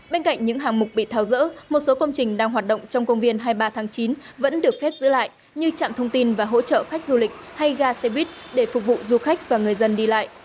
bên cạnh những hàng mục bị tháo rỡ một số công trình đang hoạt động trong công viên hai mươi ba tháng chín vẫn được phép giữ lại như trạm thông tin và hỗ trợ khách du lịch hay ga xe buýt để phục vụ du khách và người dân đi lại